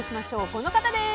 この方です。